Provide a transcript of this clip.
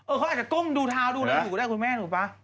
เออเขาอาจจะก้มดูเท้าดูหน้านูคุคิดได้คุณแม่อาหรูปะ